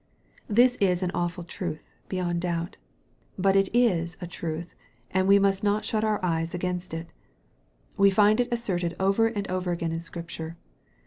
This is an awful truth, beyond doubt. But it is a truth, and we must not shut our eyes against it. We find it asserted over and over again in Scripture.